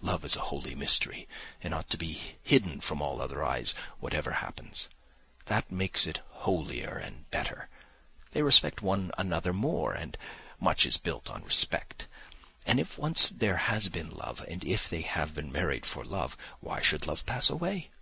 Love is a holy mystery and ought to be hidden from all other eyes, whatever happens. That makes it holier and better. They respect one another more, and much is built on respect. And if once there has been love, if they have been married for love, why should love pass away?